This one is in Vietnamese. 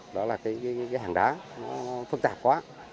đó là cái hàng đá nó phức tạp quá